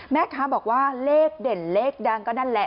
แม่ค้าบอกว่าเลขเด่นเลขดังก็นั่นแหละ